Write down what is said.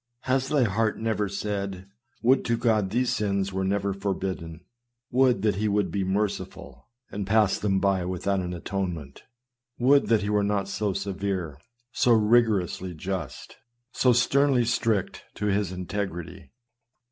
Has thy heart never said, " Would to God these sins were not forbid den! Would that he would be merciful and pass them by without an atonement ! Would that he were not so severe, so rigorously just, so sternly strict to his integ rity."